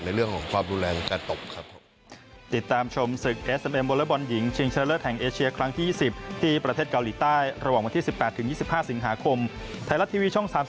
ในเรื่องของความรุนแรงการตกครับ